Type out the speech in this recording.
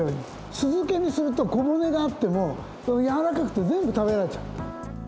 酢漬けにすると小骨があっても軟らかくて全部食べられちゃう。